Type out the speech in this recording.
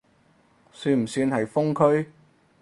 算唔算係封區？